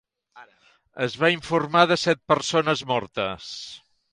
Es va informar de set persones mortes.